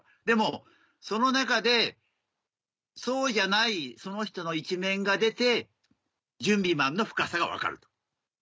でもその中でそうじゃないその人の一面が出て「準備マン」の深さが分かると。